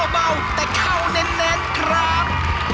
เบาแต่เข้าเน้นครับ